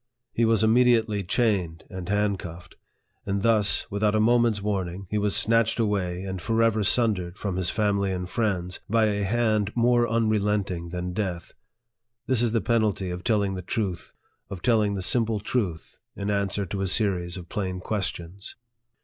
He was im mediately chained and handcuffed ; and thus, without a LIFE OF FREDERICK DOUGLASS. 19 moment's warning, he was snatched away, and foiever sundered, from his family and friends, by a hand more unrelenting than death. This is the penalty of telling the truth, of telling the simple truth, in answer to a series of plain questions.